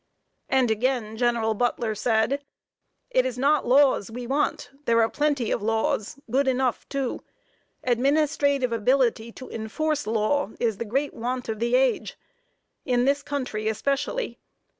And again, General Butler said: "It is not laws we want; there are plenty of laws good enough, too. Administrative ability to enforce law is the great want of the age, in this country especially.